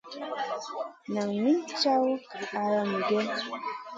Nan min caŋu ala migè?